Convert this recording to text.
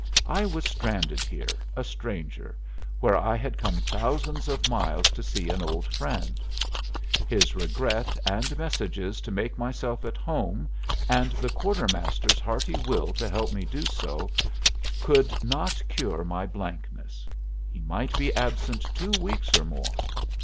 I was stranded here, a stranger, where I had come thousands of miles to see an old friend. His regret and messages to make myself at home, and the quartermaster's hearty will to help me to do so could not cure my blankness. He might be absent two weeks or more.